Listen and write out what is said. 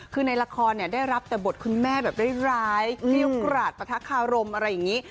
คือในราคอได้รับแต่บทคุณแม่แบบร้ายคิ้วกรัจปะทะคารมอะไรอย่างนี้